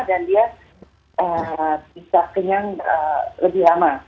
dan dia bisa kenyang lebih lama